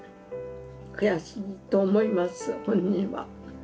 悔しいと思います本人は。